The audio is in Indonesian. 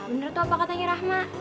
bener tuh apa katanya rahma